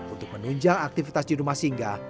untuk menunjang aktivitas di rumah singgah